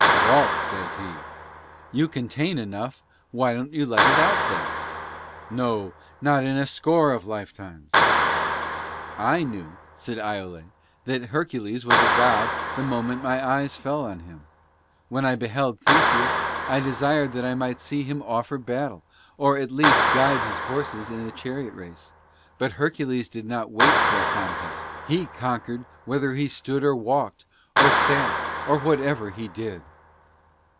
"Walt," says he, "you contain enough, why don't you let it out then?" No, not in a score of lifetimes! "I knew," said Iole, "that Hercules was a god the moment my eyes fell on him. When I beheld Theseus, I desired that I might see him offer battle, or at least guide his horses in the chariot race ; but Hercules did not wait for a contest ; he conquered whether he stood or walked, or sat, or whatever thing he did."